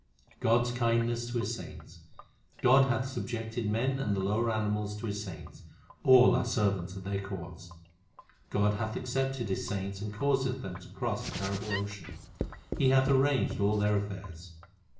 1 God s kindness to His saints : God hath subjected men and the lower animals to His saints ; all are servants at their courts. God accepteth His saints and causeth them to cross the terrible ocean : He hath arranged all their affairs.